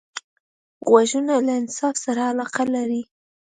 غوږونه له انصاف سره علاقه لري